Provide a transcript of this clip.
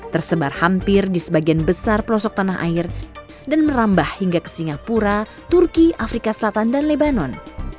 tersebar hampir di sebagian besar pelosok tanah air dan merambah hingga ke singapura turki afrika selatan dan lebanon